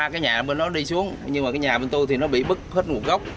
ba cái nhà bên đó đi xuống nhưng mà cái nhà bên tôi thì nó bị bứt hết một góc